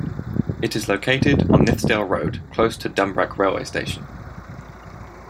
It is located on Nithsdale Road, close to Dumbreck railway station.